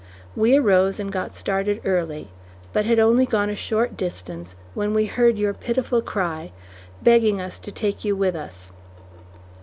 We arose and got started early, but had only gone a short distance when we heard your pitiful cry, begging us to take you with us.